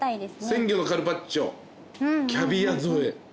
鮮魚のカルパッチョキャビア添え。